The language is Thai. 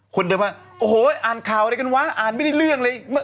คนเดินมาโอ้โหอ่านข่าวอะไรกันวะอ่านไม่ได้เรื่องเลย